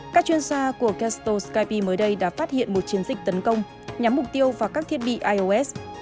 các chuyên gia của kensto skypee mới đây đã phát hiện một chiến dịch tấn công nhắm mục tiêu vào các thiết bị ios